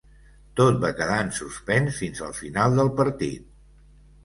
Tot va quedar en suspens fins al final del partit.